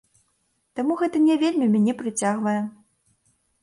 Таму гэта не вельмі мяне прыцягвае.